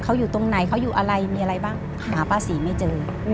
เขาอยู่ตรงไหนเขาอยู่อะไรมีอะไรบ้างหาป้าศรีไม่เจอ